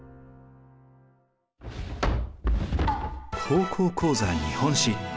「高校講座日本史」。